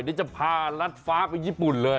เดี๋ยวจะพารัดฟ้าไปญี่ปุ่นเลย